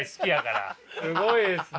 すごいですね。